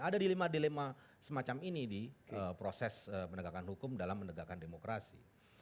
ada dilema dilema semacam ini di proses penegakan hukum dalam menegakkan demokrasi